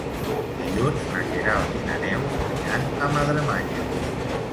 Dilluns na Queralt i na Neus aniran a Madremanya.